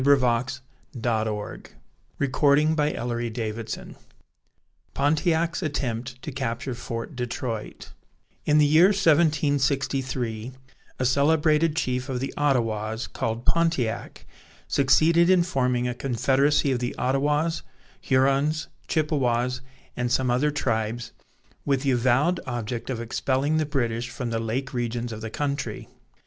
Britons, hold your own! Tennyson [Illustration: HOMEWARD BOUND] PONTIAC'S ATTEMPT TO CAPTURE FORT DETROIT In the year 1763, a celebrated chief of the Ottawas, called Pontiac, succeeded in forming a confederacy of the Ottawas, Hurons, Chippewas, and some other tribes, with the avowed object of expelling the British from the lake regions of the country.